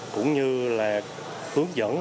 cũng như là hướng dẫn